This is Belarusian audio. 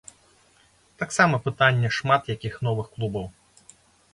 Таксама пытанне шмат якіх новых клубаў.